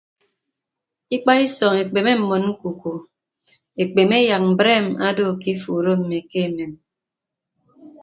Ikpaisọñ ekpeme mmọn ñkuku ekpeme yak mbreem odo ke ifuuro mme ke emem.